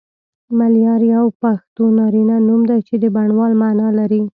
ملیار یو پښتو نارینه نوم دی چی د بڼوال معنی لری